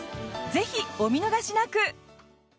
ぜひお見逃しなく！